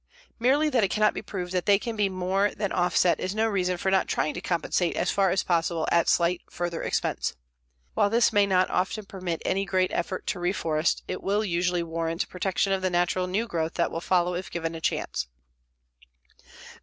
Merely that it cannot be proved that they can be more than offset is no reason for not trying to compensate as far as possible at slight further expense. While this may not often permit any great effort to reforest, it will usually warrant protection of the natural new growth that will follow if given a chance.